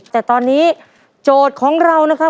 แต่ตอนนี้โจทย์ของเรานะครับ